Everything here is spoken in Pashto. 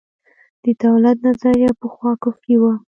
د دولت نظریه پخوا کفري وه.